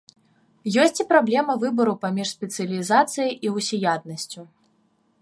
Ёсць і праблема выбару паміж спецыялізацыяй і ўсяяднасцю.